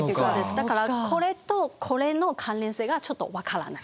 だからこれとこれの関連性がちょっと分からない。